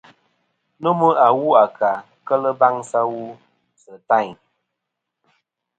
Nomɨ awu a ka kel baŋsɨ awu sɨ tayn.